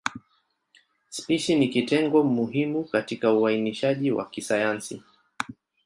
Spishi ni kitengo muhimu katika uainishaji wa kisayansi.